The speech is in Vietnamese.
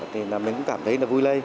mình cũng cảm thấy vui lây